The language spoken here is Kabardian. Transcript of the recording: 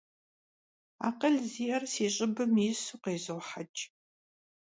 Akhıl zi'er si ş'ıb yisu khêzuheç'.